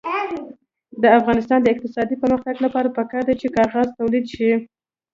د افغانستان د اقتصادي پرمختګ لپاره پکار ده چې کاغذ تولید شي.